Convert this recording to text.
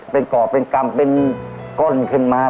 เป็นเกาะเป็นกำเป็นก้นขึ้นมา